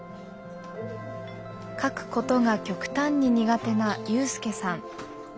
書くことが極端に苦手な有さん。